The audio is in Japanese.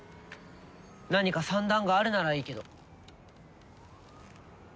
何か算段があるならいいけど。